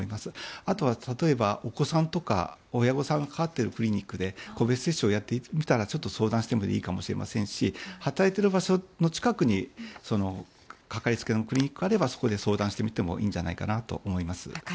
あとは、例えばお子さんとか親御さんがかかっているクリニックで個別接種をやってみたらちょっと相談してみたらいいかもしれないですし働いている人の近くにかかりつけのクリニックがあればそこに相談してみてもいいんじゃないかと思います。